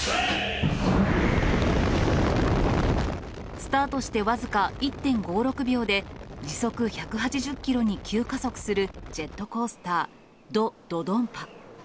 スタートして僅か１．５６秒で、時速１８０キロに急加速するジェットコースター、ド・ドドンパ。